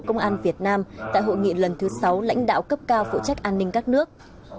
công an việt nam tại hội nghị lần thứ sáu lãnh đạo cấp cao phụ trách an ninh các nước